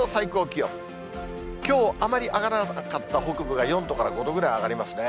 きょう、あまり上がらなかった北部が４度から５度ぐらい上がりますね。